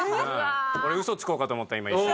俺ウソつこうかと思った今一瞬。